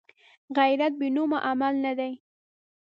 غیرت بېنومه عمل نه دی